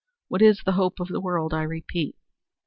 What is the hope of the world, I repeat?"